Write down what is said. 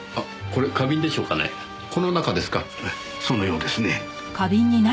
ええそのようですね。